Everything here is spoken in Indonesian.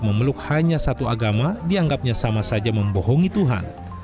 memeluk hanya satu agama dianggapnya sama saja membohongi tuhan